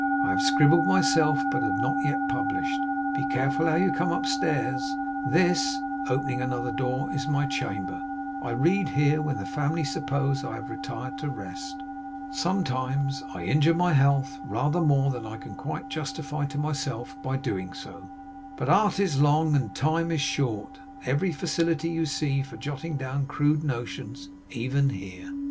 I have scribbled myself, but have not yet published. Be careful how you come upstairs. This,' opening another door, 'is my chamber. I read here when the family suppose I have retired to rest. Sometimes I injure my health rather more than I can quite justify to myself, by doing so; but art is long and time is short. Every facility you see for jotting down crude notions, even here.